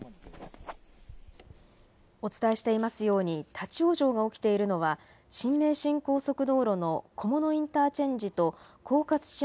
お伝えしていますように立往生が起きているのは新名神高速道路の菰野インターチェンジと甲賀土山